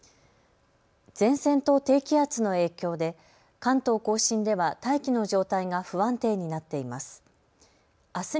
前線と低気圧の影響で関東甲信では大気の状態が不安定になっています。